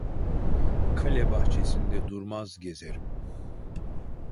Kale bahçesinde durmaz gezerim.